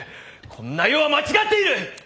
こんな世は間違っている！